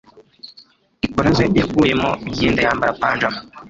Ikoraze yakuyemo imyenda yambara pajama.